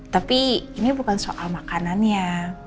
tapi ini bukan soal makanannya